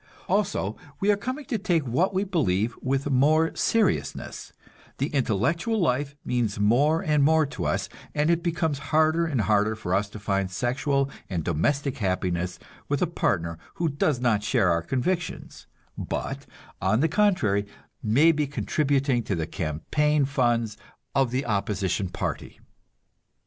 Also we are coming to take what we believe with more seriousness; the intellectual life means more and more to us, and it becomes harder and harder for us to find sexual and domestic happiness with a partner who does not share our convictions, but, on the contrary, may be contributing to the campaign funds of the opposition party.